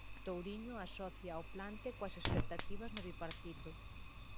Touriño asocia o plante coas "expectativas" no bipartito